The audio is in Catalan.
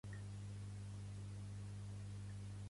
I l'Helene, fins i tot en aquell moment, va riure en veu baixa.